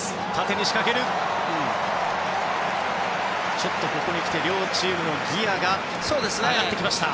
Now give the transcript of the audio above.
ちょっとここにきて両チームのギアが上がってきました。